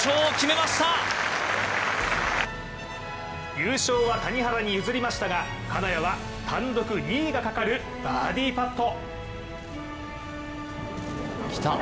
優勝は谷原に譲りましたが金谷は単独２位がかかるバーディーパット。